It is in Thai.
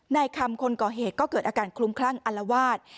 นายคำคนก่อเหตุก็เกิดอาการคลุมคลั่งอัลวาด